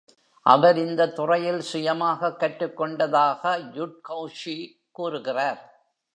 அவர் இந்த துறையில் சுயமாக கற்றுக் கொண்டதாக Yudkowsky கூறுகிறார்.